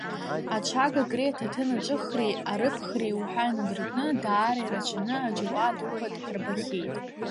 Аҽага креи, аҭаҭын аҿыхреи, арыԥхреи уҳәа инадыркны, даара ирацәаны, аџьабаа дуқәа дҳарбахьеит.